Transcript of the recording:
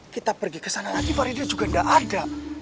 kita pergi ke sana lagi faridya juga tidak ada